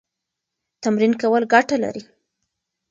تمرین کول ګټه لري.